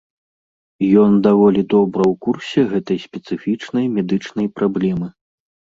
Ён даволі добра ў курсе гэтай спецыфічнай медычнай праблемы.